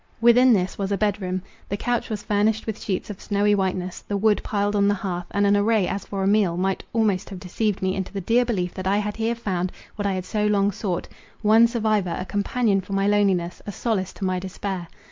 Within this was a bed room; the couch was furnished with sheets of snowy whiteness; the wood piled on the hearth, and an array as for a meal, might almost have deceived me into the dear belief that I had here found what I had so long sought—one survivor, a companion for my loneliness, a solace to my despair.